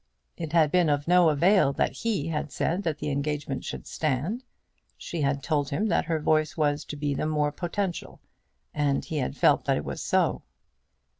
It had been of no avail that he had said that the engagement should stand. She had told him that her voice was to be the more potential, and he had felt that it was so.